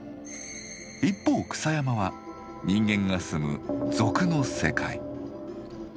一方草山は人間が住む「俗」の世界。